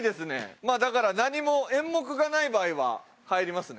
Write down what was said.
まあだから何も演目がない場合は入りますね。